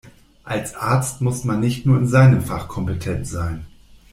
Als Arzt muss man nicht nur in seinem Fach kompetent sein.